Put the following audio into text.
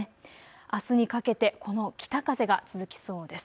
あすにかけてこの北風が続きそうです。